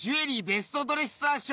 ベストドレッサー賞。